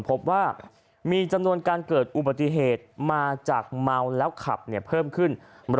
พบว่ามีจำนวนการเกิดอุบัติเหตุมาจากเมาแล้วขับเพิ่มขึ้น